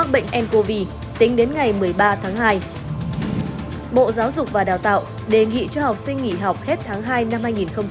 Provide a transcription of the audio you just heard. bộ giáo dục và đào tạo đề nghị cho học sinh nghỉ học hết tháng hai năm hai nghìn hai mươi